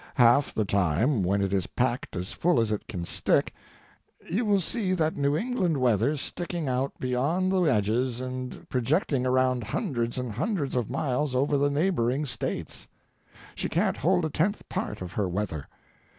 Half the time, when it is packed as full as it can stick, you will see that New England weather sticking out beyond the edges and projecting around hundreds and hundreds of miles over the neighboring States. She can't hold a tenth part of her weather.